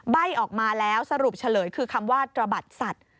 ใบ้ออกมาแล้วสรุปเฉลยคือคำว่าตระบัดสัตว์